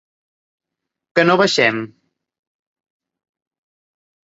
Que no baixem?